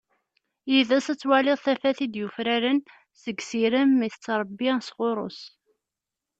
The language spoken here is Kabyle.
Yid-s ad twaliḍ tafat i d-yufraren, seg sirem i tettrebbi s ɣur-s.